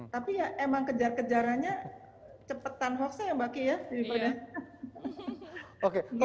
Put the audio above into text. tapi ya emang kejar kejarannya cepetan hoaxnya ya mbak kiki ya